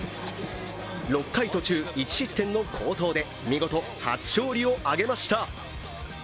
６回途中１失点の好投で、見事、初勝利を挙げました。